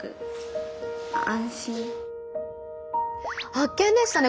発見でしたね。